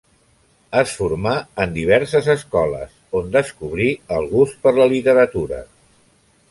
Es formà en diverses escoles on descobrí el gust per la literatura.